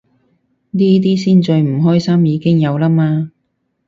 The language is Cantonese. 呢啲先最唔關心，已經有啦嘛